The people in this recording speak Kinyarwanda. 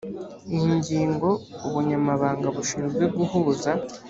iyi ngingo ubunyamabanga bushinzwe guhuza